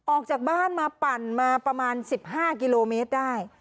ออกจากบ้านมาปั่นมาประมาณ๑๕กิโลเมตรได้